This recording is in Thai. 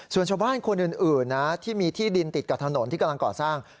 ส่วนชาวบ้านคนอื่นนะที่มีที่ดินติดกับถนนที่กำลังก่อสร้าง